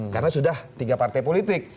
karena sudah tiga partai politik